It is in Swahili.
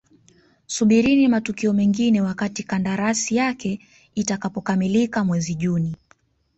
Subirini matukio mengine wakati kandarasi yake itakapokamilika mwezi Juni